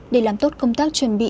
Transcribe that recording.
để làm tốt công tác chuẩn bị